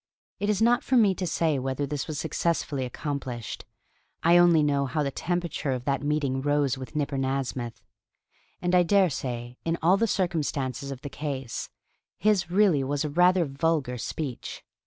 It is not for me to say whether this was successfully accomplished. I only know how the temperature of that meeting rose with Nipper Nasmyth. And I dare say, in all the circumstances of the case, his really was a rather vulgar speech.